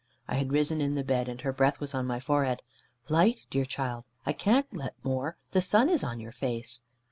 I had risen in the bed, and her breath was on my forehead. "Light, dear child, I can't let more. The sun is on your face."